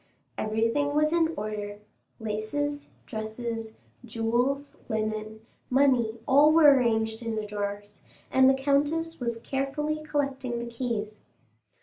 Everything was in order,—laces, dresses, jewels, linen, money, all were arranged in the drawers, and the countess was carefully collecting the keys.